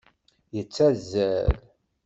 Yettazal.